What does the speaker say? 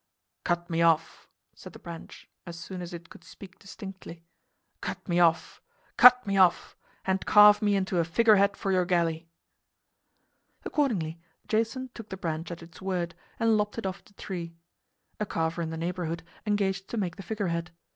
"Cut me off!" said the branch, as soon as it could speak distinctly; "cut me off! cut me off! and carve me into a figurehead for your galley." Accordingly, Jason took the branch at its word and lopped it off the tree. A carver in the neighborhood engaged to make the figurehead.